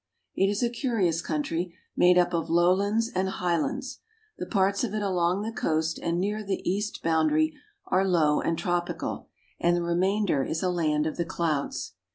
It is a curious country, made up of lowlands and high lands. The parts of it along the coast and near the east boundary are low and tropical, and the remainder is a land of the clouds.